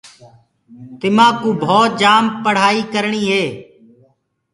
تمآڪوُ ڀوت جآم پڙهآئي ڪرڻي هي۔